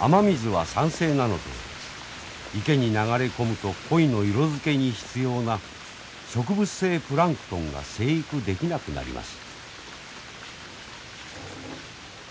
雨水は酸性なので池に流れ込むと鯉の色づけに必要な植物性プランクトンが生育できなくなります。